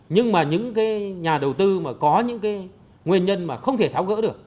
nhưng mà những nhà đầu tư có những nguyên nhân không thể tháo gỡ được